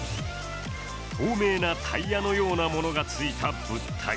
透明なタイヤのようなものがついた物体。